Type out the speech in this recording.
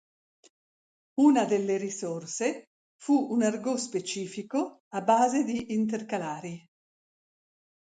Una delle risorse fu un argot specifico a base di intercalari.